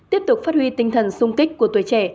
tiếp tục phát huy tinh thần sung kích của tuổi trẻ